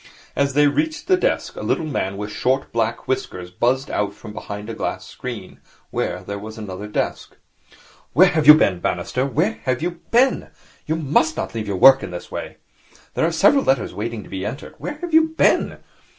As they reached the desk, a little man with short, black whiskers buzzed out from behind a glass screen, where there was another desk. 'Where have you been, Bannister, where have you been? You must not leave your work in this way. There are several letters waiting to be entered. Where have you been?'